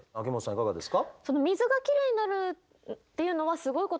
いかがですか？